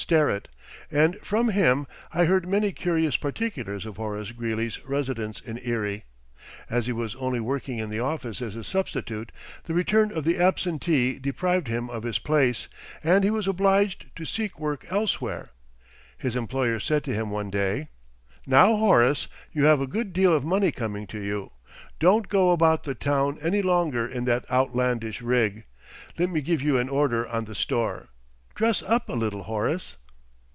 Sterrett, and from him I heard many curious particulars of Horace Greeley's residence in Erie. As he was only working in the office as a substitute, the return of the absentee deprived him of his place, and he was obliged to seek work elsewhere. His employer said to him one day: "Now, Horace, you have a good deal of money coming to you; don't go about the town any longer in that outlandish rig. Let me give you an order on the store. Dress up a little, Horace."